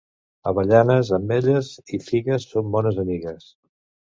Avellanes, ametlles i figues són bones amigues.